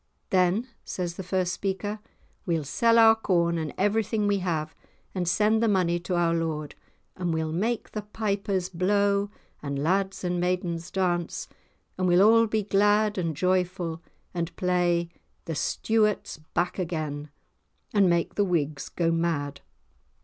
"Then," says the first speaker, "we'll sell our corn and everything we have and send the money to our lord, and we'll make the pipers blow and lads and maidens dance, and we'll all be glad and joyful and play 'The Stuarts back again,' and make the Whigs go mad."